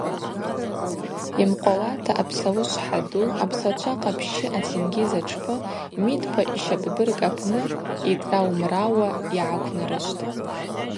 Йымкъвауата апсауышвхӏа ду апслачва къапщы атенгьыз атшпы, Мидпа йщапӏбырг апны, йтӏрау-мрауа йгӏаквнарышвтӏ.